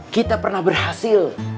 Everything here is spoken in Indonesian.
kita pernah berhasil